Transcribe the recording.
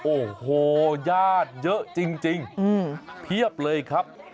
โอ้โหญาติเยอะจริงเพียบเลยครับ